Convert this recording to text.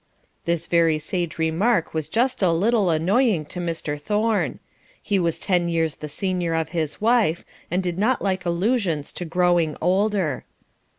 This very sage remark was just a little annoying to Mr. Thorne; he was ten years the senior of his wife, and did not like allusions to "growing older."